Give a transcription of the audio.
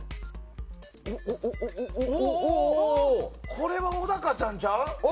これは小高ちゃんちゃう？